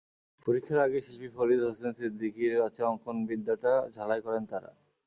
পরীক্ষার আগে শিল্পী ফরিদ হোসেন সিদ্দিকীর কাছে অঙ্কনবিদ্যাটা ঝালাই করেন তাঁরা।